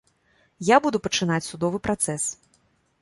Я буду пачынаць судовы працэс.